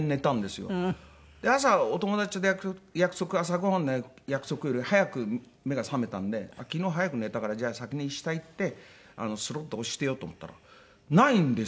朝お友達と約束朝ごはんの約束より早く目が覚めたんで昨日早く寝たからじゃあ先に下行ってスロットをしてようと思ったらないんですよ。